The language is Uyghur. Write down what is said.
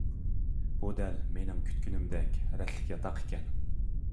بۇ دەل مىنىڭ كۈتكىنىدەك رەتلىك ياتاق ئىكەن!